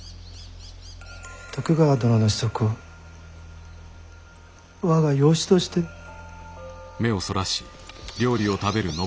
徳川殿の子息を我が養子としてえ。